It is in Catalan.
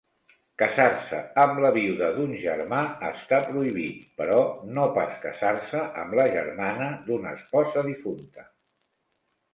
Casar-se amb la vídua d'un germà està prohibit, però no pas casar-se amb la germana d'una esposa difunta.